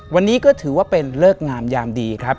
วันนี้ก็ถือว่าเป็นเลิกงามยามดีครับ